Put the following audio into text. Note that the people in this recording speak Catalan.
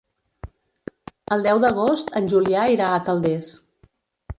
El deu d'agost en Julià irà a Calders.